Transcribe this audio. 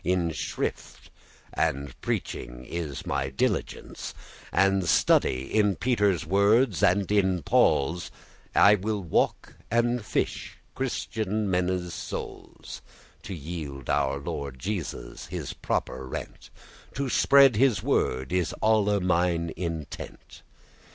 In shrift* and preaching is my diligence *confession And study in Peter's wordes and in Paul's; I walk and fishe Christian menne's souls, To yield our Lord Jesus his proper rent; To spread his word is alle mine intent."